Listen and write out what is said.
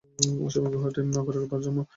অসমের গুয়াহাটি নগরে তার জন্ম।